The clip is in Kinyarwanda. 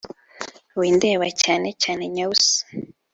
windeba cyane cyane nyabusa